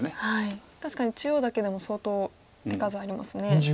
確かに中央だけでも相当手数ありますね。